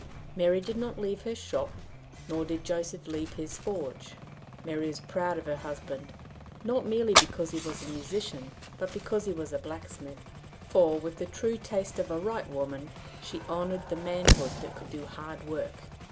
Mary did not leave her shop, nor did Joseph leave his forge. Mary was proud of her husband, not merely because he was a musician, but because he was a blacksmith. For, with the true taste of a right woman, she honored the manhood that could do hard work.